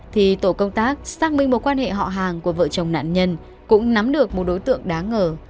thì tổ công tác xác minh mối quan hệ họ hàng của vợ chồng nạn nhân cũng nắm được một đối tượng đáng ngờ